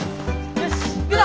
よし行くぞ！